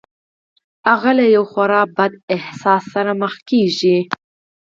هغه له یوه خورا بد احساس سره مخ کېږي